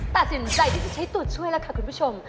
ตัดสินใจที่จะใช้ตัวช่วยแล้วค่ะคุณผู้ชม